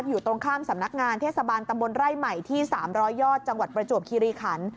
อยู่ตรงข้ามสำนักงานเทศบาลตำบลไร่ใหม่ที่๓๐๐ยอดจังหวัดประจวบคิริขัน